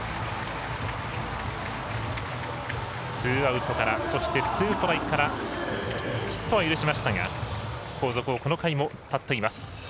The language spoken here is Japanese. ツーアウトからそしてツーストライクからヒットは許しましたが後続をこの回も断っています。